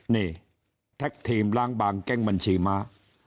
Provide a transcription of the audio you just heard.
นี่แท็กทีมล้างบางแก๊งบัญชีม้า